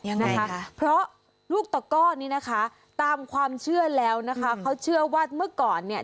นะคะเพราะลูกตะก้อนี้นะคะตามความเชื่อแล้วนะคะเขาเชื่อว่าเมื่อก่อนเนี่ย